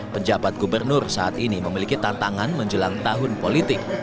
penjabat gubernur saat ini memiliki tantangan menjelang tahun politik